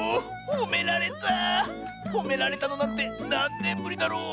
ほめられたのなんてなんねんぶりだろう。